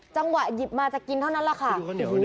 จังหวะหยิบมาจะกินเท่านั้นราคา